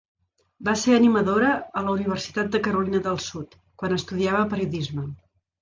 Va ser animadora a la Universitat de Carolina de Sud quan estudiava periodisme.